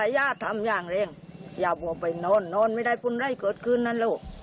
อย่าทำอย่างเร็งอย่าไปนอนนอนไม่ได้ฝุ่นไร้เกิดขึ้นนั้นหรอก